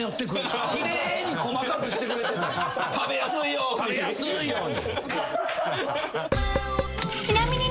食べやすいように？